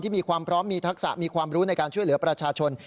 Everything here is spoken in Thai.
มีความพร้อมมีทักษะมีความรู้ในการช่วยเหลือประชาชน